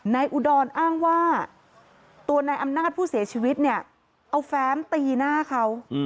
อุดรอ้างว่าตัวนายอำนาจผู้เสียชีวิตเนี่ยเอาแฟ้มตีหน้าเขา